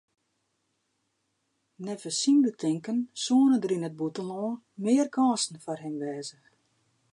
Neffens syn betinken soene der yn it bûtenlân mear kânsen foar him wêze.